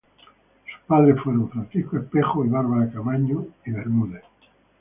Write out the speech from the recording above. Sus padres fueron Francisco Espejo y Bárbara Camaño y Bermúdez.